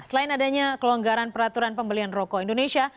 selain adanya kelonggaran peraturan pembelian rokok indonesia